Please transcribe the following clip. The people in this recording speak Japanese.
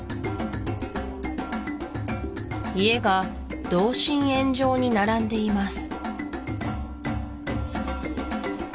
家が同心円状に並んでいます